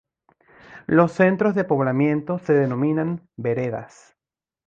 Los centros de poblamiento se denominan "veredas".